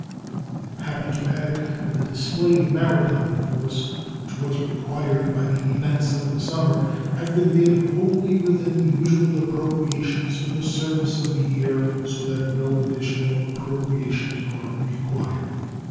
I am happy to add that the display of maritime force which was required by the events of the summer has been made wholly within the usual appropriations for the service of the year, so that no additional appropriations are required.